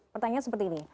pertanyaan seperti ini